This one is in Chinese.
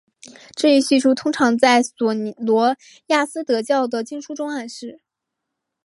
这一叙述通常在琐罗亚斯德教的经书中暗示。